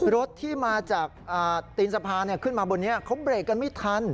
รถที่มาจากตีนสะพานขึ้นมาบนนี้เขาเบรกกันไม่ทัน